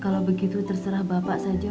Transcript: kalau begitu terserah bapak saja